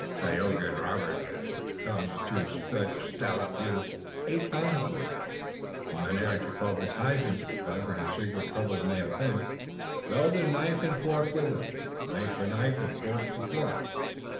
Tayoga and Robert, as became two such stout youths, ate bountifully, and Mynheer Jacobus Huysman, whatever his secret troubles may have been, wielded knife and fork with them, knife for knife and fork for fork.